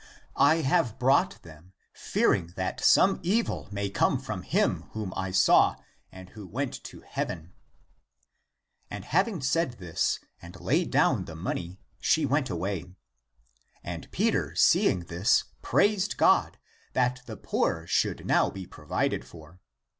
I have brought them,^ fear ing that some evil may come from him whom I saw and who went to heaven." ^° And having said this, and laid dovv^n the money, she went away. And Peter, seeing this, praised God, that the poor should now be provided for.